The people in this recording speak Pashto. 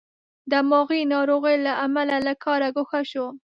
دماغې ناروغۍ له امله له کاره ګوښه شو.